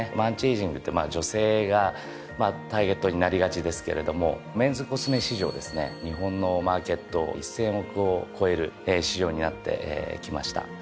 アンチエイジングって女性がターゲットになりがちですけれどもメンズコスメ市場ですね日本のマーケット１，０００億を超える市場になってきました。